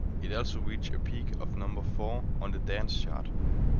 It also reached a peak of number four on the Dance chart.